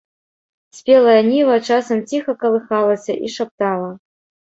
Спелая ніва часам ціха калыхалася і шаптала.